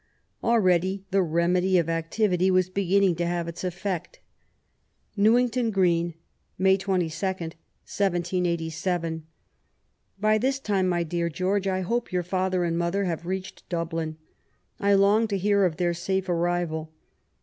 Already the remedy of activity was beginning to have its effect :— Newington Green, May 22, 1787. By this time, my dear George, I hope yonr father and mother have reached Dublin. I long to hear of their safe arriyal.